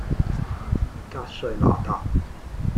格瑞那達